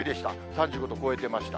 ３５度を超えてました。